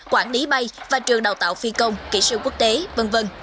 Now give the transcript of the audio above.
quản lý bay và trường đào tạo phi công kỹ sư quốc tế v v